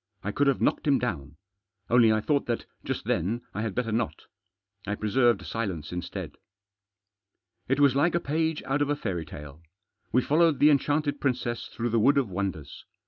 I could have knocked him down. Only I thought that, just then, I had better not. I preserved silence instead. It was like a page out of a fairy tale ; we followed the enchanted princess through the wood of wonders.